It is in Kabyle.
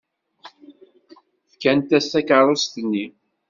Fkant-as takeṛṛust-nni.